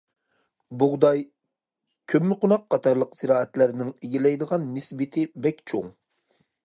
بۇغداي، كۆممىقوناق قاتارلىق زىرائەتلەرنىڭ ئىگىلەيدىغان نىسبىتى بەك چوڭ.